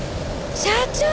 社長！